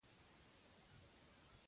د طوفان شدت د قدرت یو اړخ دی.